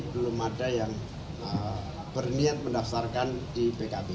belum ada yang berniat mendaftarkan di pkb